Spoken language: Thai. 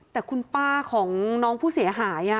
แต่คุณป้าของน้องผู้เสียหาย